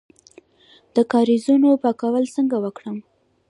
د کاریزونو پاکول څنګه وکړم؟